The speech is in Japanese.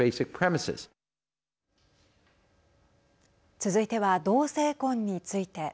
続いては同性婚について。